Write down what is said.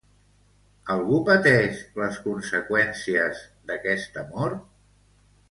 Algú pateix les conseqüències d'aquest amor?